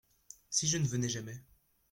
Si je ne venais jamais ?